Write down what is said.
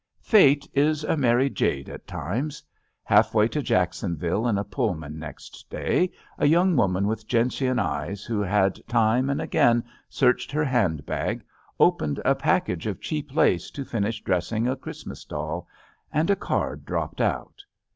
Fate is a merry jade, at times. Half way to Jacksonville in a Pullman next day a young woman with gentian eyes, who had time and again searched her handbag, opened a pack age of cheap lace to finish dressing a Christ mas doll, and a card dropped out.